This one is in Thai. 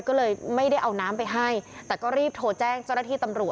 ก็เลยไม่ได้เอาน้ำไปให้แต่ก็รีบโทรแจ้งเจ้าหน้าที่ตำรวจ